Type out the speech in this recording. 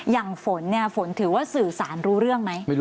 อย่างฝนนี่ฝนถึงว่าสื่อสารรู้เรื่องมั้ย